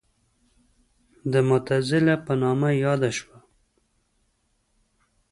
د معتزله په نامه یاده شوه.